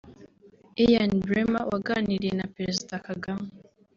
Ian Bremmer waganiriye na Perezida Kagame